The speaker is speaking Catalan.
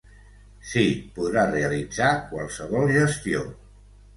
Sí, podrà realitzar qualsevol gestió.